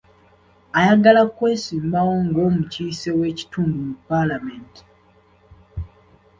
Ayagala kwesimbawo ng'omukiise w'ekitundu mu paalamenti.